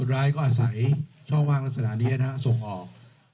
คนร้ายบ่อยอาศัยช่องว่างลักษณะนี้นะครับส่งออก